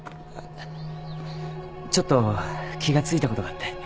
ちょっと気が付いたことがあって。